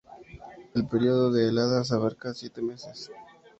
El periodo de heladas abarca siete meses.